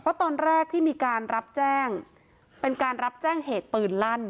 เพราะตอนแรกที่มีการรับแจ้งเป็นการรับแจ้งเหตุปืนลั่น